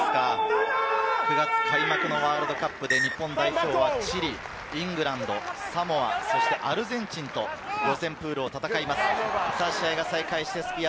９月開幕のワールドカップで日本代表はチリ、イングランド、サモア、そしてアルゼンチンと、予選プールを戦います。